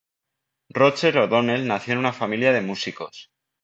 Roger O'Donnell nació en una familia de músicos.